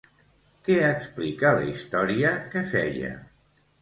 Què explica la història que feia?